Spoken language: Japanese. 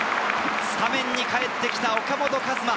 スタメンに戻ってきた岡本和真。